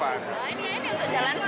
jadi harus pakai link aja ya bu